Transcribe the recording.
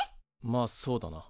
まあそうだな。